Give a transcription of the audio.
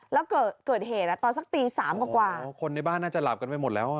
แล้วเกิดเหตุอ่ะตอนสักตีสามกว่าโอ้คนในบ้านน่าจะหลับกันไปหมดแล้วอ่ะ